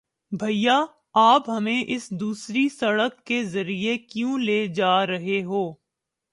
بھیا، آپ ہمیں اس دوسری سڑک کے ذریعے کیوں لے جا رہے ہو؟